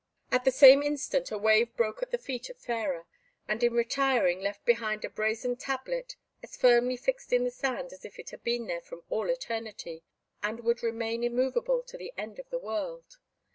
At the same instant a wave broke at the feet of Fairer, and in retiring left behind a brazen tablet, as firmly fixed in the sand as if it had been there from all eternity, and would remain immovable to the end of the world.